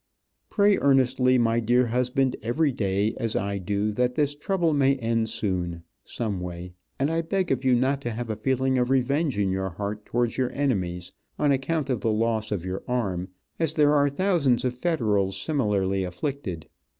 Pray earnestly, my dear husband, every day, as I do, that this trouble may end soon, some way, and I beg of you not to have a feeling of revenge in your heart towards your enemies, on account of the loss of your arm, as there are thousands of federals similarly afflicted.